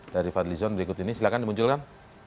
dari fadlizon berikut ini silahkan dimunculkan